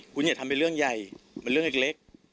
คุณอย่าทำเป็นเรื่องใหญ่มันเรื่องเล็ก